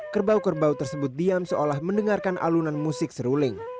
kerbau kerbau tersebut diam seolah mendengarkan alunan musik seruling